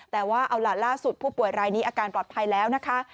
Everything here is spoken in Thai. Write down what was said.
แต่ว่าเอาล่ะล่าสุดผู้ป่วยรายนี้อาการปลอดภัยแล้วนะคะ